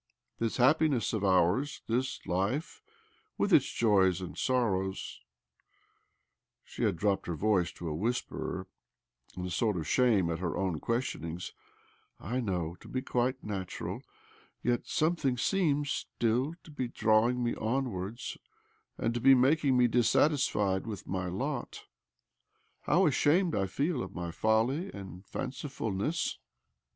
This happiness of ours, this life, with its ]'оуз and sorrows "—she had dropped her voice to a whisper, in a sort of shame at her own questionings—" I know to be quite natural ; yet something seem's still to be drawing me onwards, and to be making me dissatisfied with my lot. How ashamed I feel of my folly and fancifulness